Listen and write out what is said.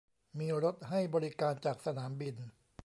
มีรถให้บริการจากสนามบิน